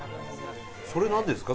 それなんですか？